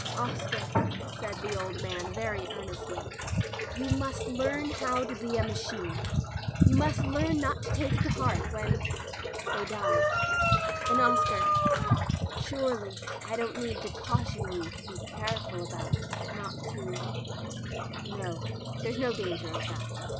"Oscar," said the old man very earnestly, "you must learn now how to be a machine. You must learn not to take it to heart when — they die. And Oscar — surely I don't need to caution you to be careful about — ^not to — no, there's no danger of that.